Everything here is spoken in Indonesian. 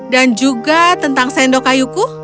dan juga tentang sendok kayuku